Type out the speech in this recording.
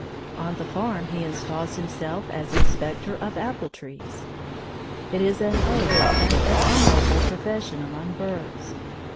On the farm he installs himself as Inspector of Apple trees. It is an old and an honorable profession among birds.